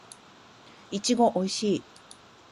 いちごおいしい